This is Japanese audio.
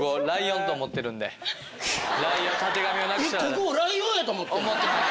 ここをライオンやと思ってんの。